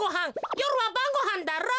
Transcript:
よるはばんごはんだろ。